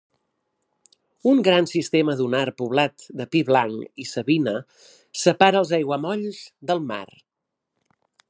Un gran sistema dunar poblat de pi blanc i savina separa els aiguamolls del mar.